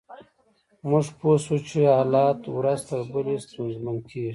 موږ پوه شوو چې حالات ورځ تر بلې ستونزمن کیږي